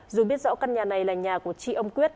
dù biết rõ căn nhà này là nhà của tri ông quyết